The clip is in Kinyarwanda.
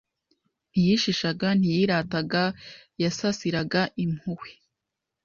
Ntiyishishaga, ntiyirataga yasasiraga impuhwe